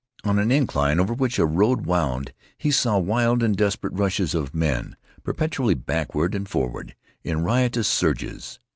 On an incline over which a road wound he saw wild and desperate rushes of men perpetually backward and forward in riotous surges.